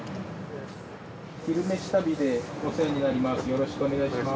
「昼めし旅」でお世話になります